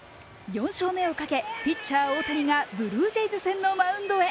４勝目をかけ、ピッチャー大谷がブルージェイズ戦のマウンドへ。